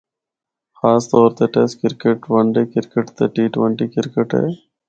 خاص طور تے test cricket, one day cricket تے ٹی ٹونٹی کرکٹ ہے۔